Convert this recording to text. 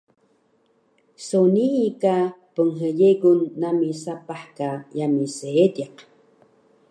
So nii ka pnhyegun nami sapah ka yami Seediq